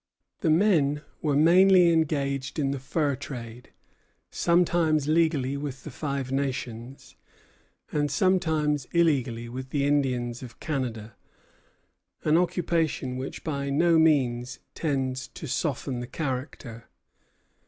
The men were mainly engaged in the fur trade, sometimes legally with the Five Nations, and sometimes illegally with the Indians of Canada, an occupation which by no means tends to soften the character.